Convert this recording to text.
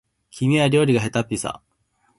君は料理がへたっぴさ